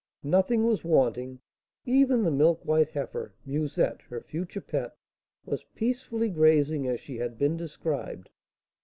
Nothing was wanting, even the milk white heifer, Musette, her future pet, was peacefully grazing as she had been described.